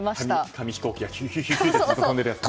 紙飛行機がヒュンヒュンって飛んでるやつね。